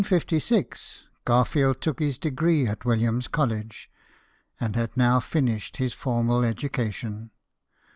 In 1856, Garfield took his degree at Williams College, and had now finished his formal educa tion.